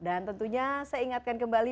dan tentunya saya ingatkan kembali